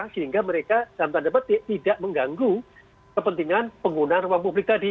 sehingga mereka tidak mengganggu kepentingan penggunaan ruang publik tadi